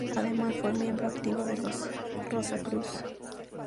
Además fue miembro activo de los Rosacruz.